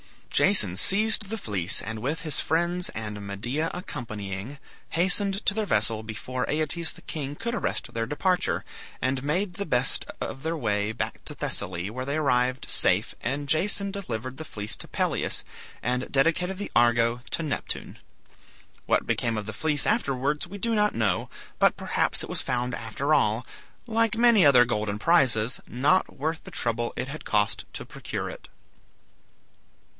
Jason seized the fleece and with his friends and Medea accompanying, hastened to their vessel before Aeetes the king could arrest their departure, and made the best of their way back to Thessaly, where they arrived safe, and Jason delivered the fleece to Pelias, and dedicated the "Argo" to Neptune. What became of the fleece afterwards we do not know, but perhaps it was found after all, like many other golden prizes, not worth the trouble it had cost to procure it.